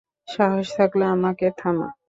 সাহস থাকলে আমাকে থামা।